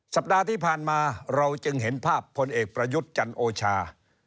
สัปดาห์ที่ผ่านมาเราจึงเห็นภาพพลเอกประยุทธ์จันโอชา